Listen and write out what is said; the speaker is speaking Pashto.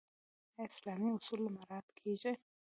آیا اسلامي اصول مراعات کیږي؟